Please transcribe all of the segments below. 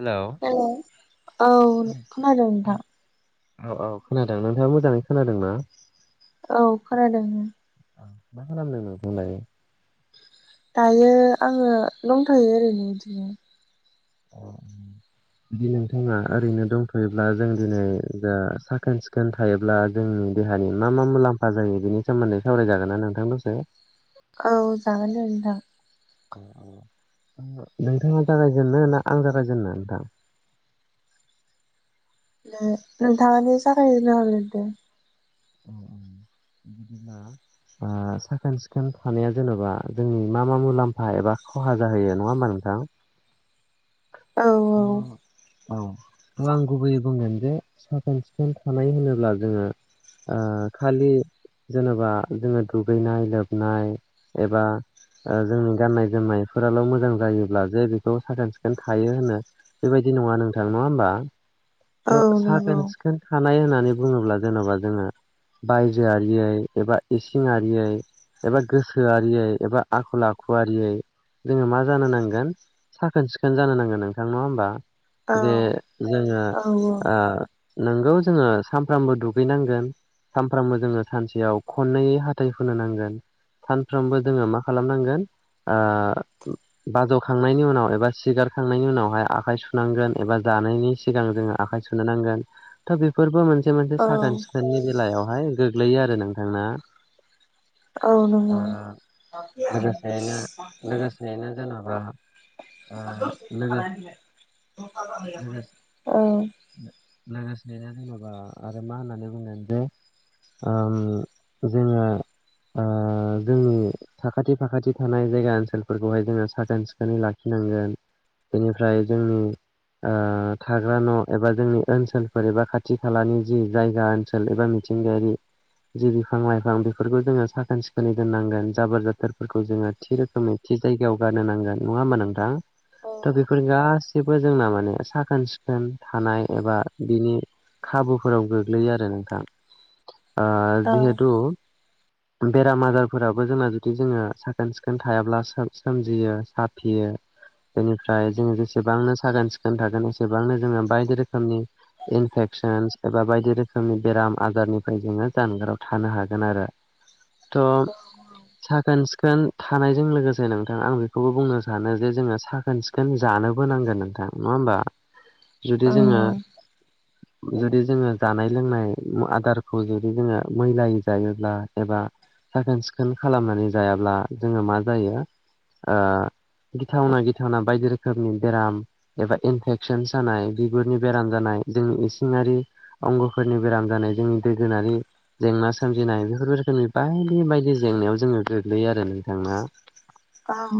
Hello hello औ खोनादों नोंथां। औ औ खोनादों नोंथाङा मोजाङै खोनादों ना? औ खोनादों मा खालामदों नोंथांङालाय? दायो आङो दंथयो ओरैनो बिदिनो। जुदि नोंथाङा ओरैनो दंथ योब्ला जों दिनै जा साखोन सिखोन थायोब्ला जोंनि देहानि मा मा मुलाम्फा जायो बि नि सोमोन्दै सावरायजागोन ना नोंथां दसे औ जागोन दे औ नोंथाङा जागायजेनो ना आं जागायजेनो नोंथां? ना नोंथांआनो जागायजेनना होग्रोदो औ औ बिदिब्ला आ साखोन सिखोन थानाया जेन'बा जोंनि मा मा मुलाम्फा एबा खहा जाहोयो नङा होमबा नों नोंथां औ अ, औ औ आं गुबैयै बुंगोन जे साखोन सिखोन थानाय होनोब्ला जोङो आ खालि जेनेबा जोङो दुगैनाय लोबनाय एबा ओ जोंनि गाननाय जोमनायफोराल' मोजां जायोब्ला जे बेखौ साखोन सिखोन थायो होनो बेबायदि नङा नोंथां नङा होमबा! औ थ' साखोन नंगौ सिखोन थानाय होन नानै बुङोब्ला जेन'बा जोङो बायजो आरियै एबा इसिं आरियै एबा गोसोआरियै एबा आखल आखुआरियै जोङो मा जानो नांगोन साखोन सिखोन जानो नांगोन नोंथां नङा होमबा औ जे जोङो औ ओ नोंगौ जोङो सानफ्रामबो दुगैनांगोन सानफ्रामबो जोङो सानसेयाव खननै हाथाय हुनो नांगोन सानफ्रोमबो जोङो मा खालामनांगोन ओ बाज'खांनायनि उनाव एबा सिगारखांनायनि उनाव आखाइ सुनांगोन एबा जानायनि सिगां जोङो आखाइ सुनो नांगोन थ' बेफोरबो मोनसे मोनसे औ साखोन सिखोननि बेलायावहाय गोग्लैयो आरो नोंथांना औ ओ नंगौ लोगोसेयैनो लोगोसेयैनो जेन'बा ओ लोगो लोगोसे [unintelligible] औ [inaudible] जेनेबा आरो मा होननानै बुंगोन जे ओम जोङो ओ जोंनि साखाथि फाखाथि थानाय जायगा ओनसोलफोरखौहाय जोङो साखोन सिखोनै लाखिनो नांगोन बेनिफ्राय जोंनि ओ थाग्रा न' एबा जोंनि ओनसोलफोर एबा खाथि खालानि जि जायगा ओनसोल एबा मिथिंगायारि जि बिफां लाइफां बेफोरखौ जोङो साखोन सिखोनै दोननांगोन जाबोर जाथोरफोरखौ जोङो थि रोखोमै थि जायगायाव गारनो गारनो नांगोन नङा होनबा नोंथां औ बेफोर गाैबो जोंना माने साखोन सिखोन थानाय एबा बिनि खाबुफोराव गोग्लैयो आरो नोंथां औ जिहेथु बेराम आजारफोराबो जोंना जुदि जोङो साखोन सिखोन थायाब्ला सोमजियो साफियो बेनिफ्राय जोङो जेसेबांनो साखोन सिखोन थागोन एसेबांनो जोङो बायदि रोखोमनि इनफेक्सनस एबा बायदि रोखोमनि बेराम आजारनिफ्राय जोङो जानगाराव थानो हागोन आरो त' साखोन सिखोन थानायजों लोगोसे नोंथां आं बेखौबो बुंनो सानो जे जोङो साखोन सिखोन बेखो जानोबो नांगोन नोंथां नङा होमबा जुदि औ जोङो जुदि जोङो जानाय लोंनाय आदारखौ जुदि जोङो मैलायै जायोब्ला एबा साखोन सिखोन खालामनानै जायाब्ला जोङो मा जायो गिथावना गिथावना बायदि रोखोमनि बेराम एबा इनफेकसन जानाय बिगुरनि बेराम जानाय जोंनि इसिंआरि अंगफोरनि बेराम जानाय जोंनि दोगोनारि जेंना सोमजिनाय बेफोर रोखोमनि बायदि बायदि जेंनायाव जोङो गोग्लैयो आरो नोंथां ना। औ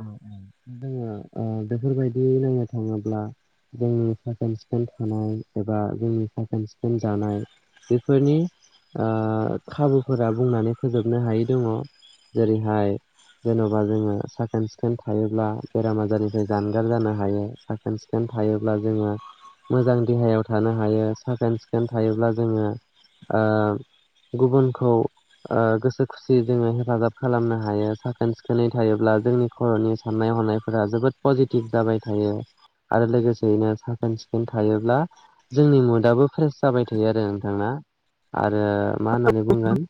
औ औ जोङो बेफोरबायदि नायनो थाङोब्ला जोंनि साखोन सिखोन थानाय एबा जोंनि साखोन सिखोन जानाय बेफोरनि ओ खाबुफोरा बुंनानै फोजोबनो हायै दङ जेरैहाय जेन'बा जोङो साखोन सिखोन थायो ब्ला बेराम आजारनिफ्राय जानगार जानो हायो साखोन सिखोन थायोब्ला जोङो मोजां देहायाव थानो हायो साखोन सिखोन थायोब्ला जोङो गुबुनखौ ओ गोसो खुसियै जोङो हेफाजाब खालामनो हायो साखोन सिखोनै थायोब्ला जोंनि खर'नि- साननाय हनायफोरा जोबोद पजिटिभ जाबाय थायो। आरो लोगोसेयैनो साखोन सिखोन थायोब्ला जोंनि मुदाबो फ्रेस जाबाय थायो आरो नोंथां ना। आरो मा होननानै बुंगोन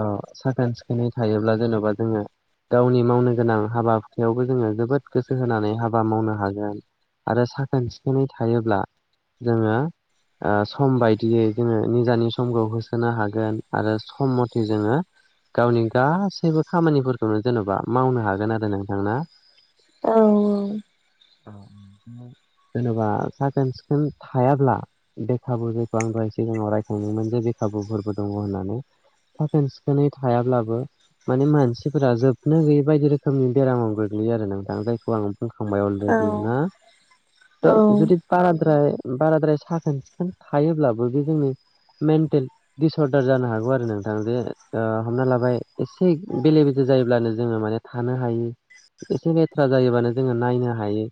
अ साखोन सिखोनै थायोब्ला जेन'बा जोङो गावनि मावनो गोनां हाबाखायावबो जोङो जोबोद गोसो होनानै हाबा मावनो हागोन आरो साखोन सिखोनै थायोब्ला जोङो सम बायदियै जोङो निजानि समखौ होसोनो हागोन आरो सम मथे जोङो गावनि गासैबो खामानिफोरखौनो जेन'बा मावनो हागोन आरो नोंथांना औ औ [inaudible] [unintelligible] जेन'बा साखोन सिखोन थायाब्ला बेे खाबु जेखौ आं दहाय सिगाङाव रायखांदोंमोन जे खाबुफोरबो दङ होननानै साखोन सिखोनै थायाब्लाबो माने मानसिफोरा जोबनो गैयै बायदि रोखोम रोखोमनि बेरामाव गोग्लैयो आरो नोंथां जायखौ आं बुंखांबाय औ अलरेडि ना थ औ जुदि बाराद्राय बाराद्राय साखोन सिखोन थायोब्लाबो बे जोंनि मेन्टेल दिस अर्दार जानो हागौ आरो नोंथां जे हमना लाबाय एसे बेले बेजे जायोब्लानो जोङो माने थानो हायै एसे लेथ्रा जायोबानो जोङो नायनो हायै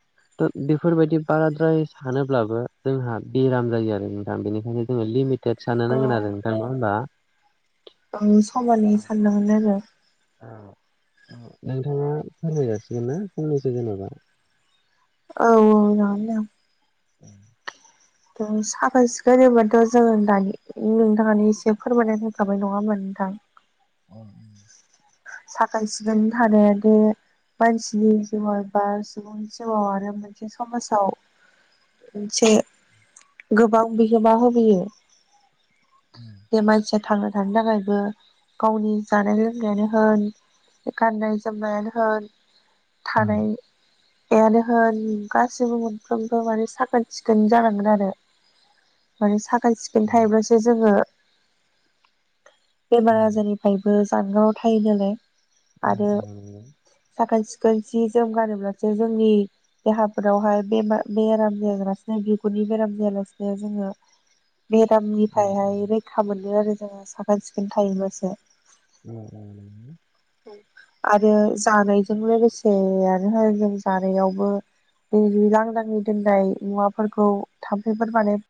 बेफोरबायदि बाराद्राय सानोब्लाबो जोंहा बेराम जायो आरो नोंथां बेनिखायनो जोङो लिमिट थेद सान्नो नांगोन आरो नोंथां नङा होनबा? [inaudible] सानदोंमोन आरो औ औ नोंथाङा फोरमायजासिगोन ना फंनैसो जेनेबा औ औ न'आवनो दं। औ साखोन सिखोन होनबाथ' नोंथाङा दानि एसे फोरमायना होखाबाय नङाहोनबा नोंथां? औ साखोन सिखोन थानायादि मानसिनि जिउआव एबा सुबुंनि जिउाव आरो मोनसे समाजाव मोनसे गोबां बिहोमा होबोयो। बे मानसिया थांना थानो थाखायबो गावनि जानाय लोंनायानो होन गाननाय जोमनायानो होन औ थानाय थानायानो होन गासैबो मोनफ्रोमबो माने साखोन सिखोन जानांगोन आरो। माने साखोन सिखोन औ थायोब्लासो जोङो बेमार औ आजारनिफ्रायबो जानगाराव थायो नालाय। ओ आरो ओम नंगौ। साखोन जि जोम गानोब्लासो जोंनि देहाफोरावहाय बे बेराम जायालासिनो बिगुरनि बेराम जायालासिनो जोङो बेरामनिफ्रायहाय रैखा मोनो आरो जोङो साखोन सिखोन थायोब्लासो। अ आरो जानायजों लोगोसेयानो होन जों जानायावबो लांदांङै दोननाय मुवाफोरखौ थाम्फैफोर बानाय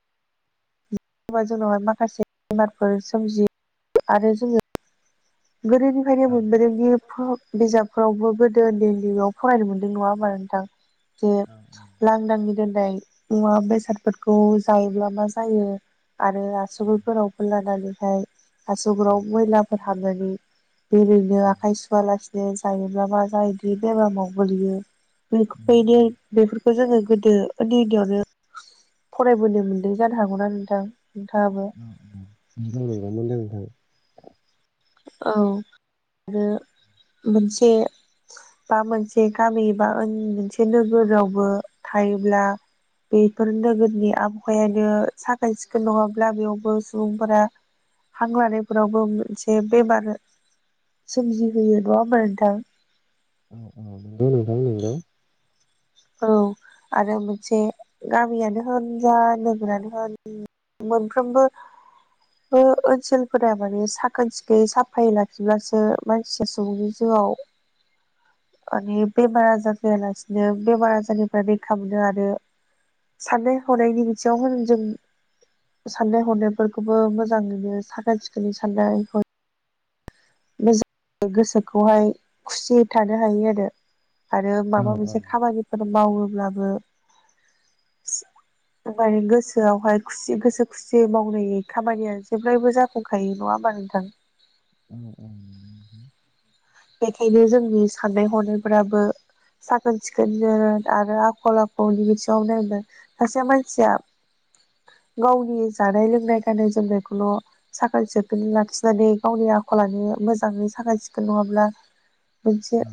बा जोंनावहाय माखासे बेमारफोर सोमजियो आरो जोङो गोदोनिफ्रायनो मोनबोदों दि बिजाबफोरावबो गोदो उन्दै उन्दैयाव फरायनो मोन्दों नङा होनबा नोंथां? जे लांदांनि दोननाय मुवा बेसादफोरखौ जायोब्ला मा जायो। आरो आसुगुर गोलावखौ लानानैहाय हासुगुराव मैलाफोर हाबनानै ओरैनो आखाइ सुवालासिनो जायोब्ला मा जायोदि बेरामाव गोलैयो बेनो बेफोरखौ जोङो गोदो उन्दै उन्दैयावनो फरायबोनो मोनदों जानो हागौ ना नोंथां। नोंथाङाबो [unintelligible] औ आरो मोनसे बा मोनसे गामि बा मोनसे नोगोरावबो थायोब्ला बेफोर नोगोरनि आबहावायानो साखोन सिखोन नङाब्ला बेयावबो सुबुंफोरा हां लानायफोरावबो मोन जे बेमार सोमजिहोयो नङा होमबा नोंथां। औ औ नोंगौ नोंथां नोंगौ। औ आरो मोनसे गामियानो होन जा नोगोरानो होन मोनफ्रोमबो ओनसोलफोरा माने साखोन सिखोनै साफायै लाखिब्लासो मानसिया सुबुंनि जिउआव [inaudible] माने बेमार आजार जायालासे बेमार आजारनिफ्राय रैखा मोनो आरो साननाय हनायनि बिथिङाव होन जों साननाय हनायफोरखौबो मोजाङैनो साखोन सिखोनै साननाय हनाय मोजां गोसोखौहाय खुसियै थानो हायो आरो। आरो औ माबा मोनसे औ खामानिफोर मावोब्लाबो [inaudible] माने गोसोआवहाय खुसि गोसो खुसियै मावनाय खामानिया जेब्लायबो जाफुंखायो नङा बा नोंथां [unintelligible] बेखायनो जोंनि साननाय हनायफोराबो साखोन सिखोननो आरो आखल आखुनि बिथिङाव नायगोन सासे मानसिया [unintelligible] गावनि जानाय लोंनाय गाननाय जोमनायखौल' साखोन सिखोन लाखिनानै गावनि आखलानो मोजाङै साखोन सिखोन नङा ब्ला मोनसे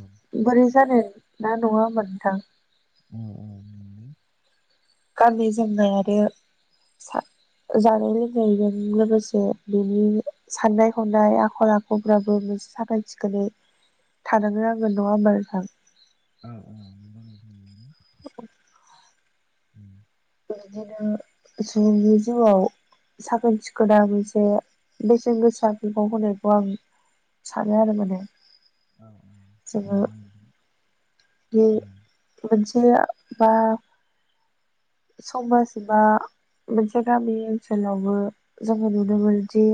बोरै जानाय ना नङा‌ होमबा नोंथां [unintelligible] गाननाय जोमनाय आरो सा जानाय लोंनायजों लोगोसे बेनि साननाय हनाय आखल आखुफ्राबो साखोन सिखोनै थानोबो नांगोन नङा होमबा नोंथां औ औ [unintelligible] बिदिनो जुनि जिउआव साखोन सिखोना एसे बेसेन गोसा बिबाव होनायखौ आं सानो आरो माने औ जोङो बे मोनसे बा समाज एबा मोनसे गामि ओनसोलावबो जोङो नुनो मोनोदि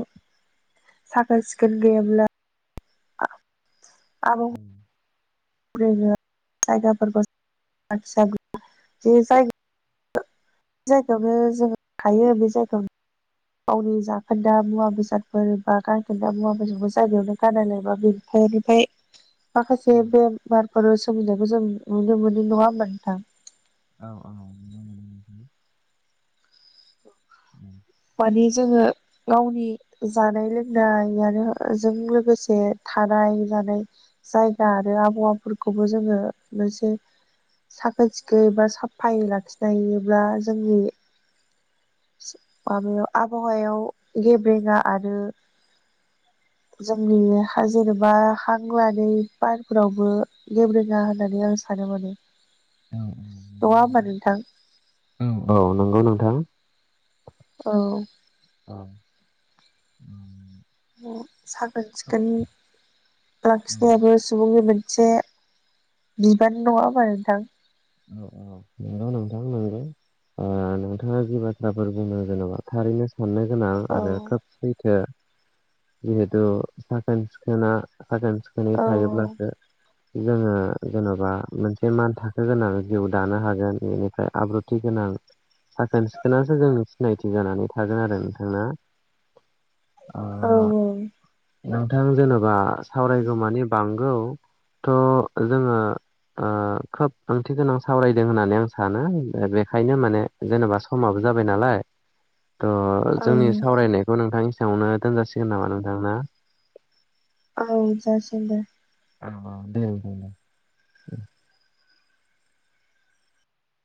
साखोन सिखोन गैयाब्ला [unintelligible] [unintelligible] [unintelligible] जायगायावनो जों थायो बे जायगायावनो गावनि जाखोन्दा मुवा बेसादफोर बा गारखोन्दा मुवा बेसादफोर जायगायावनो गारना लायोबा बेनिखाय बेनिफाय [inaudible] माखासे बेमारफोर सोमिनायखौ जों नुनो मोनो नङा होमबा नोंथां औ औ [unintelligible] माने जोङो गावनि जानाय लोंनाय आरो जों लोगोसे थानाय जानाय जायगा आरो आबहावाफोरखौबो जोङो मोनसे साखोन सिखोन एबा साफायै लाखिनो हायोब्ला जोंनि माबायाव आबहावायाव गेब्रेङा आरो [inaudible] जों सानो मोने नङा होमबा नोंथां औ औ नंगौ नोंथां औ [unintelligible] साखोन सिखोन लाखिनायाबो सुबुंनि मोन से बिबान नङा होनबा नोंथां औ औ नोंगौ नोंथां नोंगौ नोंथाङा जि बाथ्राफोर बुङो जेनेबा थारैनो साननो गोनां औ आरो खोब सैथो जिहेथु साखोन सिखोना साखोन सिखोनै औ थायोब्लासो जोङो जेन'बा मोनसे मान थाखो गोनां जिउ दानो हागोन बेनिफ्राय आब्रुथि गोनां साखोन सिखोनासो जोंनि सिनायथि जानानै थागोन आरो नोंथां ना औ औ नोंथां जेनेबा सावरायगौमानि बांगौ थ' जोङो ओ खोब ओंथि गोनां सावरायदों होननानै आं सानो बेखायनो माने जेनेबा समाबो जाबाय नालाय थह औ जोंनि सावरायनायखौ नोंथां बेवनो दोनजासिगोन नामा नोंथां ना? औ जसिगोन। अ दे।